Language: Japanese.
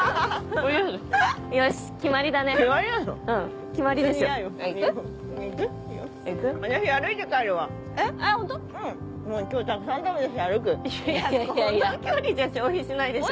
この距離じゃ消費しないでしょ。